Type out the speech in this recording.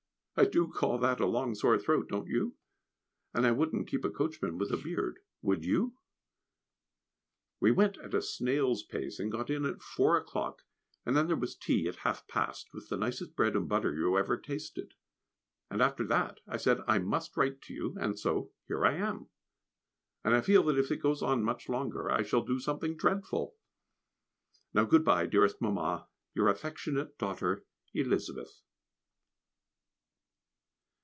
I do call that a long sore throat, don't you? and I wouldn't keep a coachman with a beard, would you? We went at a snail's pace, and got in at four o'clock, and then there was tea at half past, with the nicest bread and butter you ever tasted. And after that I said I must write to you, and so here I am, and I feel that if it goes on much longer I shall do something dreadful. Now good bye, dearest Mamma. Your affectionate daughter, Elizabeth.